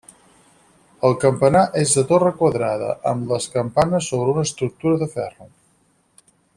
El campanar és de torre quadrada, amb les campanes sobre una estructura de ferro.